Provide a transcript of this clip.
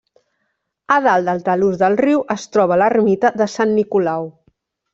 A dalt del talús del riu es troba l'ermita de Sant Nicolau.